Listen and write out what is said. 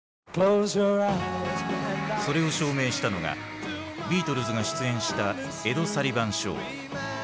それを証明したのがビートルズが出演した「エド・サリバン・ショー」。